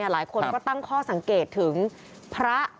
หลายคนก็ตั้งข้อสังเกตถึงพระ